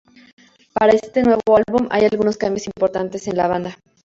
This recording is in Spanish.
Para este nuevo álbum hay algunos cambios importantes en la banda.